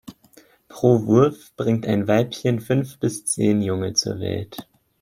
Pro Wurf bringt ein Weibchen fünf bis zehn Junge zur Welt.